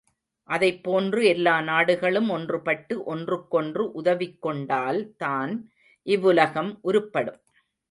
அதைப் போன்று எல்லா நாடுகளும் ஒன்றுபட்டு ஒன்றுக்கொன்று உதவிக் கொண்டால் தான் இவ்வுலகம் உருப்படும்.